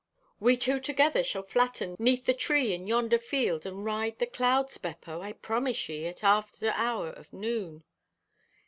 "We two together shall flatten 'neath the tree in yonder field and ride the clouds, Beppo, I promise ye, at after hour of noon.